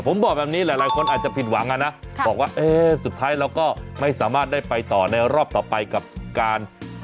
ผมบอกแบบนี้หลายคนอาจจะผิดหวังอ่ะนะบอกว่าเอ๊ะสุดท้ายเราก็ไม่สามารถได้ไปต่อในรอบต่อไปกับการ